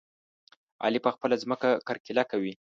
علي په خپله ځمکه کرکيله کوي.